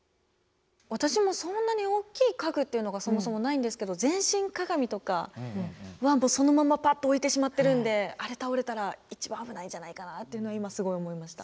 私もそんなに大きい家具っていうのがそもそもないんですけど全身鏡とかはそのままパッと置いてしまってるんであれ倒れたら一番危ないんじゃないかなっていうのを今すごい思いました。